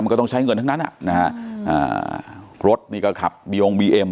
มันก็ต้องใช้เงินทั้งนั้นรถนี้ก็ขับบิโยงบีเอ็ม